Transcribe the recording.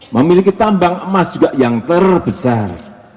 memiliki tambang emas juga yang terbesar